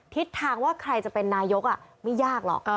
ทิศทางว่าใครจะเป็นนายกไม่ยากหรอก